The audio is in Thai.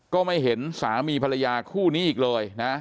ก็ไม่เห็นสามีภรรยาคู่นี้อีกเลยนะ